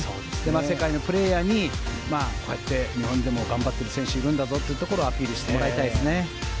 世界のプレーヤーにこうやって日本でも頑張っている選手いるんだぞというところをアピールしてもらいたいですね。